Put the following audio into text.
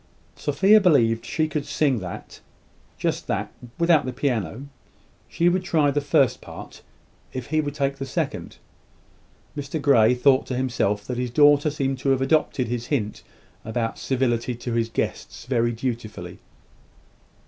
Sophia believed she could sing that just that without the piano. She would try the first part, if he would take the second. Mr Grey thought to himself that his daughter seemed to have adopted his hint about civility to his guests very dutifully.